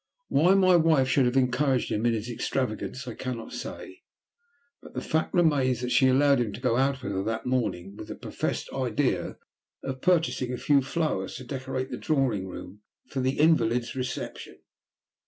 Why my wife should have encouraged him in his extravagance I cannot say, but the fact remains that she allowed him to go out with her that morning with the professed idea of purchasing a few flowers to decorate the drawing room for the invalid's reception.